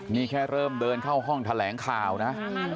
นี่แค่เริ่มเดินเข้าห้องแถลงข่าวนะ